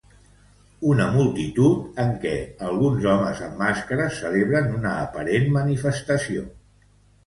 Una multitud en què alguns homes amb màscares celebren una aparent manifestació.